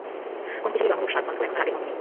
কোন কিছুরই রং-রূপ-স্বাদ-গন্ধ এখন আর আগের মত নেই।